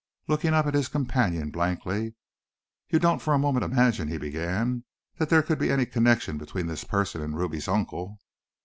Looking up at his companion blankly, "You don't for a moment imagine," he began, "that there could be any connection between this person and Ruby's uncle?"